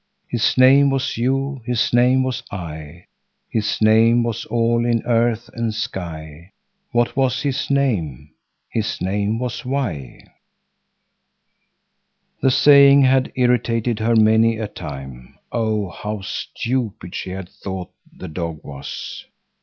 His name was you, His name was I, His name was all in Earth and Sky. What was his name? His name was why." The saying had irritated her many a time. Oh, how stupid she had thought the dog was!